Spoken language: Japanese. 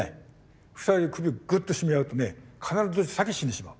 ２人で首をぐっと絞め合うとね必ずどっちか先に死んでしまう。